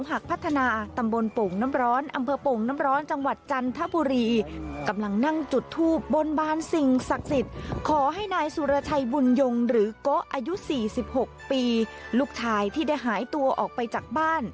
หรือก็อายุ๔๖ปีลูกชายที่ได้หายตัวออกไปจากบ้าน